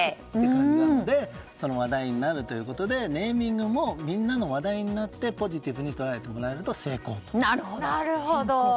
その話題になるということでネーミングもみんなの話題になってポジティブに捉えてもらえると成功ということで。